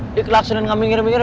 ini kelaksanaan nggak minggir minggir